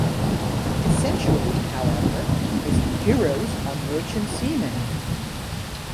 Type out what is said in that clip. Essentially, however, his "heroes" are Merchant Seamen.